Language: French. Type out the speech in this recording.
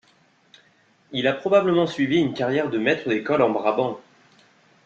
Il a probablement suivi une carrière de maître d'école en Brabant.